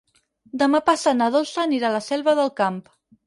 Demà passat na Dolça anirà a la Selva del Camp.